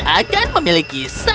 kamu akan menjadi pembaikan kegunaan